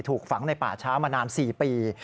ถูกฝังในป่าช้ามานาน๔ปี